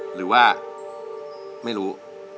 หรือว่าไม่รู้